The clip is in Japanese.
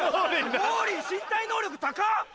ウォーリー身体能力高っ！